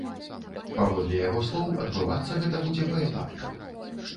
Паводле яго слоў, адбывацца гэта будзе паэтапна.